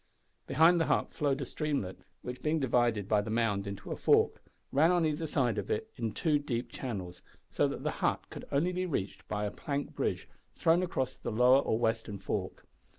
Behind the hut flowed a streamlet, which being divided by the mound into a fork, ran on either side of it in two deep channels, so that the hut could only be reached by a plank bridge thrown across the lower or western fork.